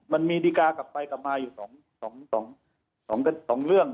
มันมีดีการ์กลับไปกลับมาอยู่๒เรื่อง